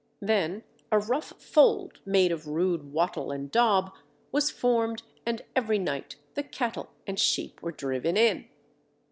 Then a rough fold made of rude wattle and daub was formed, and every night the cattle and sheep were driven in.